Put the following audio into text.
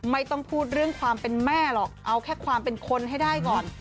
ไม่ต้องพูดเรื่องความเป็นแม่หรอกเอาแค่ความเป็นคนให้ได้ก่อน